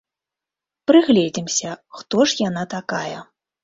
Прыгледзімся, хто ж яна такая?